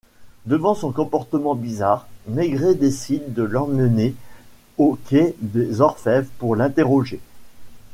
Devant son comportement bizarre, Maigret décide de l'emmener au Quai des Orfèvres pour l'interroger.